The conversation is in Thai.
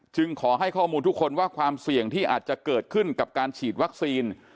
ขอให้ข้อมูลทุกคนว่าความเสี่ยงที่อาจจะเกิดขึ้นกับการฉีดวัคซีน